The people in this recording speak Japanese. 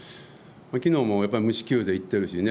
昨日も無四球でいってるしね。